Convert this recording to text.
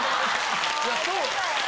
いやそう。